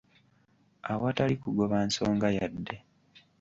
Awatali kugoba nsonga yadde.